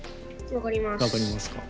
分かりますか。